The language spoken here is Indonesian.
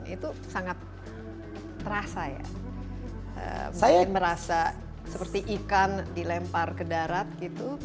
itu sangat terasa ya mungkin merasa seperti ikan dilempar ke darat gitu